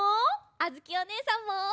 あづきおねえさんも。